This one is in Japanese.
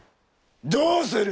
どうする？